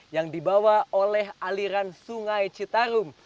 yang dibawa oleh aliran sungai citarum